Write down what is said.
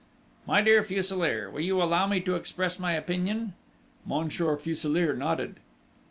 "My dear Fuselier, will you allow me to express my opinion?..." Monsieur Fuselier nodded.